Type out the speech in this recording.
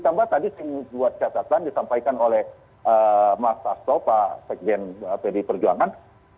nah tadi saya buat catatan disampaikan oleh mas astro pak sekjen pd perjuangan